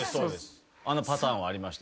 あのパターンありました。